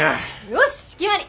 よし決まり。